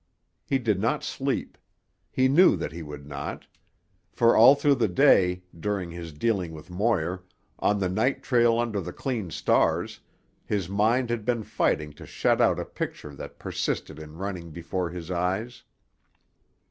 He did not sleep. He knew that he would not. For all through the day, during his dealing with Moir, on the night trail under the clean stars, his mind had been fighting to shut out a picture that persisted in running before his eyes.